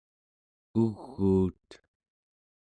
uguut